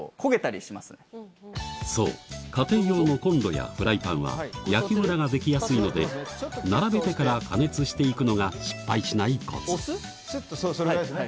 そう家庭用のコンロやフライパンは焼きムラが出来やすいので並べてから加熱していくのが失敗しないコツそうですそうです。